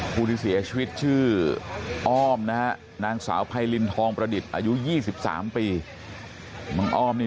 ผู้ที่เสียชีวิตชื่อ